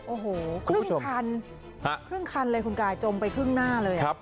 โอ้โหครึ่งคันครึ่งคันเลยคุณกายจมไปครึ่งหน้าเลย